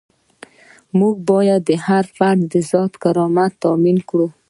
موږ باید د هر فرد ذاتي کرامت تامین کړو.